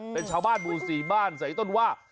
เป็นชาวบ้านหมู่๔บ้านใส่ต้นว่า